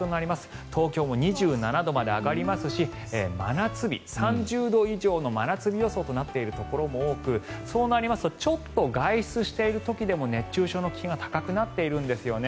東京も２７度まで上がりますし３０度以上の真夏日予想となっているところも多くそうなりますとちょっと外出している時でも熱中症の危険が高くなっているんですね。